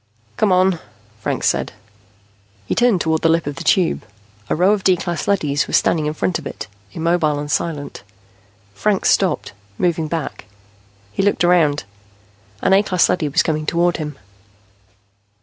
"Come on," Franks said. He turned toward the lip of the Tube. A row of D class leadys was standing in front of it, immobile and silent. Franks stopped, moving back. He looked around. An A class leady was coming toward him.